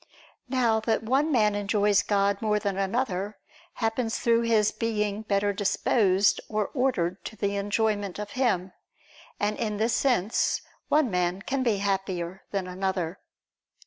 Now, that one man enjoys God more than another, happens through his being better disposed or ordered to the enjoyment of Him. And in this sense one man can be happier than another.